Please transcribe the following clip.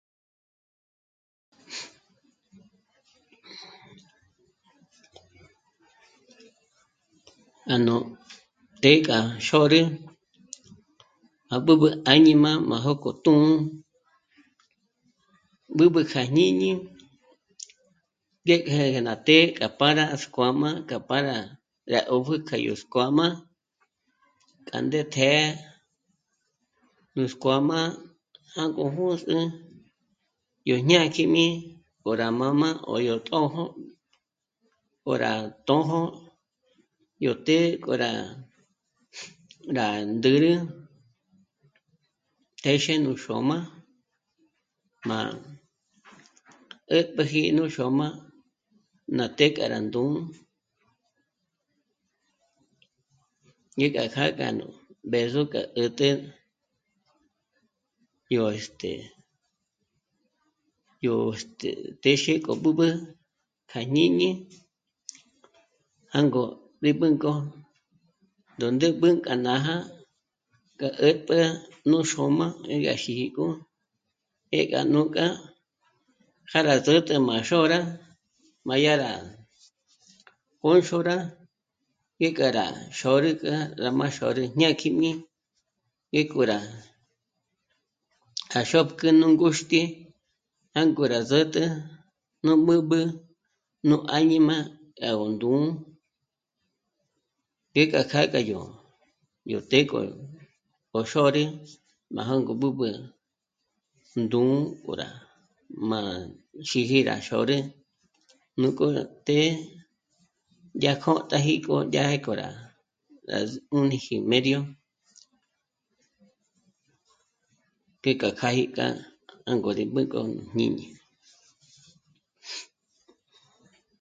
A nú... të́'ë k'a xôrü à b'ǚb'ü àñima má jók'o tū́'ū, b'ǚb'ü kja jñíñi ngéje ngé' ná të́'ë k'a pâra skuám'a, k'a pâra rá 'ópjü k'a yó skuám'a. K'a ndé tjë́'ë nú skuám'a jângo b'ǖ̌s'ü yó jñákjím'i 'o rá mā́mā o yó tō̌jō, 'o rá tō̌jō yó të́'ë k'o rá, rá ndä̌rä téxe nú xôm'a má 'ä̀tpäji nú xôm'a ná të́'ë k'a rá ndū̌'ū. Ñe k'a kjâ'a gá nú b'ë̌zo k'a 'ä̀t'ä yó, este..., yó, este..., téxe k'o b'ǚb'ü kja jñíñi, jângo rí b'ǘnk'o ndó ndä̌b'ä k'a nája k'a 'ä̀tp'ä nú xôm'a ñe gá jǐ'i k'o ngék'a nu k'a já gá s'ä̌t'ä má xôra, má yá rá mbṓxôra ngék'a rá xôrü k'a rá má xôrü jñákjím'i ngék'o rá kjâ'a xópk'e nú ngúxt'i jângo rá s'ä̌t'ä nú mä̌b'ä, nú áñima yá gó ndū̌'ū. Ngék'a kjâ'a kjáyó, yó të́'ë k'o ò xôrü má jângo b'ǚb'ǜ ndū̌'ū 'o rá mâ'a xíji rá xôrü nuk'o të́'ë yá kjótáji k'o dyáji ko rá, rá s'ùnüji mério. Ngék'a kjâ'a í kjâ'a jângo rí b'ǘnk'o míñi